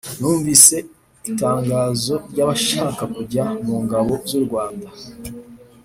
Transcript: Numvise itangazo ryabashaka kujya mungabo zurwanda